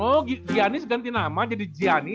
oh giannis ganti nama jadi giannis